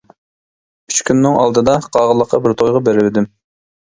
ئۈچ كۈننىڭ ئالدىدا قاغىلىققا بىر تويغا بېرىۋىدىم.